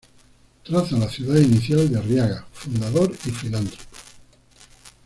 Traza la ciudad inicial de Arriaga, fundador y filántropo.